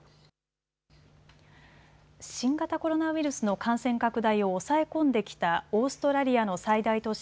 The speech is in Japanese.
新型コロナウイルスの感染拡大を抑え込んできたオーストラリアの最大都市